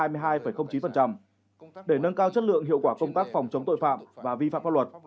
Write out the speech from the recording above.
để nâng cao chất lượng hiệu quả công tác phòng chống tội phạm và vi phạm pháp luật